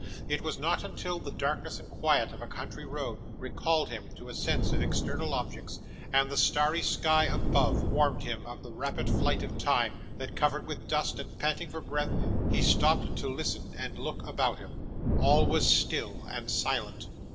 It was not until the darkness and quiet of a country road, recalled him to a sense of external objects, and the starry sky, above, warned him of the rapid flight of time, that, covered with dust and panting for breath, he stopped to listen and look about him. All was still and silent.